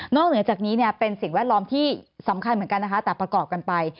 เหนือจากนี้เป็นสิ่งแวดล้อมที่สำคัญเหมือนกันนะคะแต่ประกอบกันไป